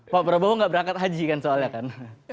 pak prabowo nggak berangkat haji kan soalnya kan